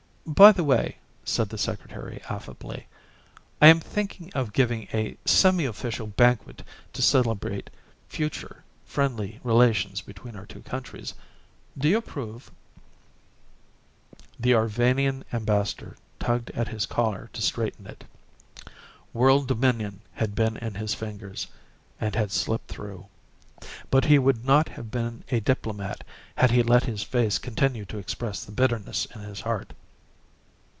"By the way," said the Secretary affably, "I am thinking of giving a semi official banquet to celebrate future, friendly relations between our two countries. Do you approve?" The Arvanian Ambassador tugged at his collar to straighten it. World dominion had been in his fingers and had slipped through but he would not have been a diplomat had he let his face continue to express the bitterness in his heart.